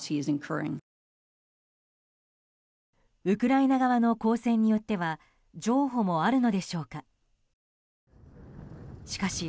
ウクライナ側の抗戦によっては譲歩もあるのでしょうか。